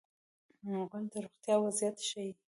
غول د روغتیا وضعیت ښيي.